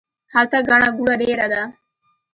هلته ګڼه ګوڼه ډیره ده